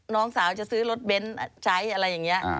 น้องสาวจะซื้อรถเบนท์ใช้อะไรอย่างนี้